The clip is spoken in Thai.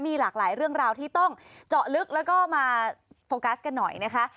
มีหลากหลายเรื่องราวที่ต้องเจาะลึกแล้วก็มาโฟกัสกันหน่อยนะคะ